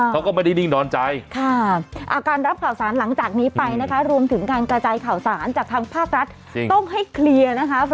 เขาก็ไม่ได้นิ่งนอนใจนะคะ